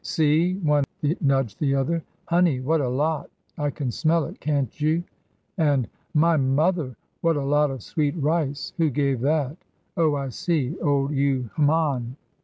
'See,' one nudged the other; 'honey what a lot! I can smell it, can't you?' And, 'My mother! what a lot of sweet rice. Who gave that? Oh, I see, old U Hman.'